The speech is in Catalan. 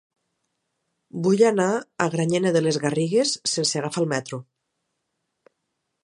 Vull anar a Granyena de les Garrigues sense agafar el metro.